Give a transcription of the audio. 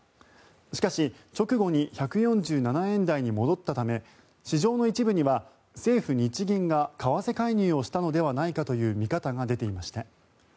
しかし、直後に１４７円台に戻ったため市場の一部には政府・日銀が為替介入をしたのではないかという見方が出ていました。